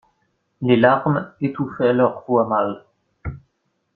Les larmes étouffaient leurs voix mâles.